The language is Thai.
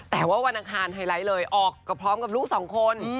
แต่ว่าวันอังคารไฮไลท์เลยออกก็พร้อมกับลูกสองคน